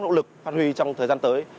nỗ lực phát huy trong thời gian tới